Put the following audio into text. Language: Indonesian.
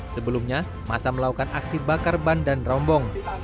sebelumnya masa melakukan aksi bakar ban dan rombong